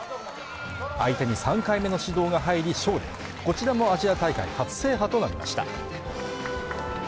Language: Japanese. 相手に３回目の指導が入りそうでこちらもアジア大会初制覇となりました